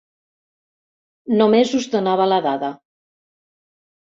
Només us donava la dada.